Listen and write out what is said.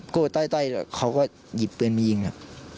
โก้ต้อยเขาก็หยิบปืนไปยิงครับ